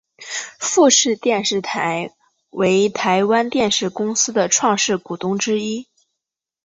富士电视台为台湾电视公司的创始股东之一。